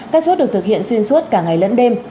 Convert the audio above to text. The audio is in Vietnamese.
các chốt được thực hiện xuyên suốt cả ngày lẫn đêm